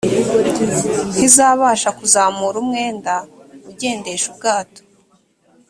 ntizabasha kuzamura umwenda ugendesha ubwato